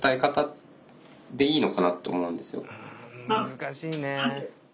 難しいね。